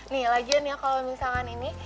nih lagian ya kalau misalkan ini